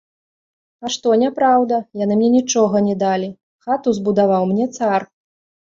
А што, няпраўда, яны мне нічога не далі, хату збудаваў мне цар.